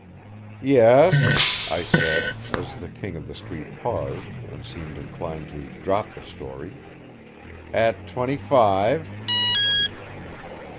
"Yes," I said, as the King of the Street paused and seemed inclined to drop the story. "At twenty five."